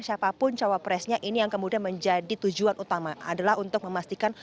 siapapun cawapresnya ini yang kemudian menjadi tujuan utama adalah untuk memastikan